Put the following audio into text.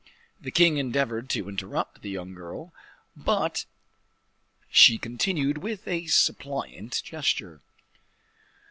The king endeavored to interrupt the young girl, but she continued with a suppliant gesture.